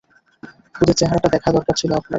ওদের চেহারাটা দেখা দরকার ছিল আপনার।